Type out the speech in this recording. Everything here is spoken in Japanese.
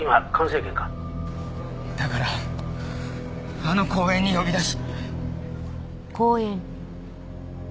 だからあの公園に呼び出し。